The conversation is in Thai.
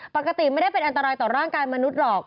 ปกติไม่ได้เป็นอันตรายต่อร่างกายมนุษย์หรอก